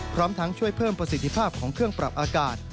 พร้อมทั้งช่วยเพิ่มประสิทธิภาพของเครื่องปรับอากาศ